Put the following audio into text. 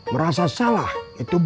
merasa salah itu salah